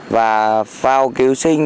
và phao cứu sinh